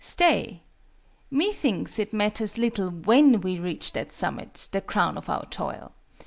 "Stay. Methinks it matters little when we reached that summit, the crown of our toil.